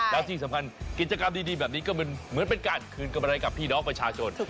แล้วที่สำคัญกิจกรรมดีแบบนี้ก็เหมือนเป็นการคืนกำไรกับพี่น้องประชาชน